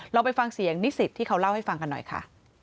ไปฟังเสียงนิสิตที่เขาเล่าให้ฟังกันหน่อยค่ะ